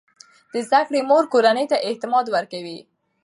د زده کړې مور کورنۍ ته اعتماد ورکوي.